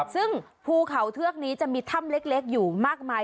ซึ่งภูเขาเทือกนี้จะมีถ้ำเล็กอยู่มากมาย